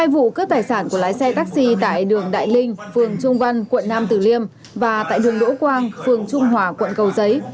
hai vụ cướp tài sản của lái xe taxi tại đường đại linh phường trung văn quận nam tử liêm và tại đường đỗ quang phường trung hòa quận cầu giấy